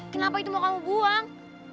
kenapa itu mau kamu buang